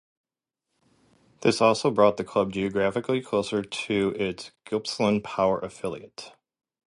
This also brought the club geographically closer to its Gippsland Power affiliate.